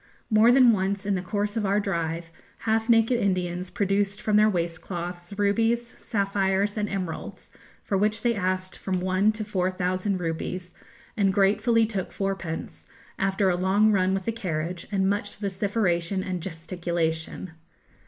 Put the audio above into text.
More than once in the course of our drive, half naked Indians produced from their waist cloths rubies, sapphires, and emeralds for which they asked from one to four thousand rupees, and gratefully took fourpence, after a long run with the carriage, and much vociferation and gesticulation.